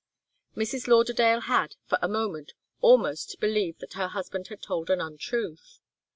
Mrs. Lauderdale had, for a moment, almost believed that her husband had told an untruth.